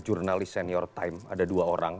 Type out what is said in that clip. jurnalis senior time ada dua orang